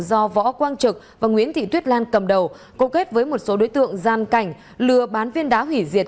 do võ quang trực và nguyễn thị tuyết lan cầm đầu cố kết với một số đối tượng gian cảnh lừa bán viên đá hủy diệt